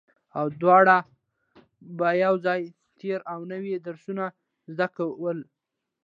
او دواړو به يو ځای تېر او نوي درسونه زده کول